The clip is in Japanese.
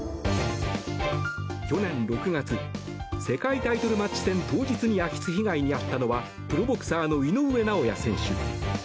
去年６月世界タイトルマッチ戦当日に空き巣被害に遭ったのはプロボクサーの井上尚弥選手。